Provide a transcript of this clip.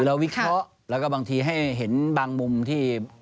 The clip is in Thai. วิเคราะห์แล้วก็บางทีให้เห็นบางมุมที่